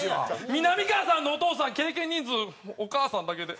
みなみかわさんのお父さん経験人数お母さんだけで。